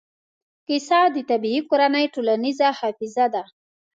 کیسه د طبعي کورنۍ ټولنیزه حافظه ده.